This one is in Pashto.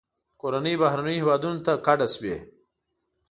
کورنۍ بهرنیو هیوادونو ته کډه شوې.